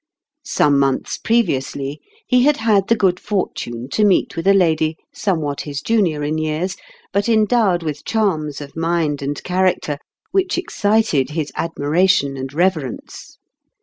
Some months previously he had had the good fortune to meet with a lady somewhat his junior in years, but endowed with charms of mind and character which excited his ad miration and reverence.